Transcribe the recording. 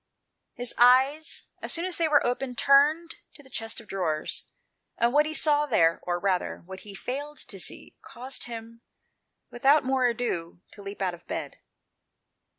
His eyes, as soon as they were open, turned to the chest of drawers ; and what he saw there, or rather, what he failed to see, caused him, without more ado, to leap out of bed.